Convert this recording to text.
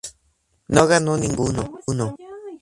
No ganó ninguno.